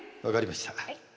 わかりました。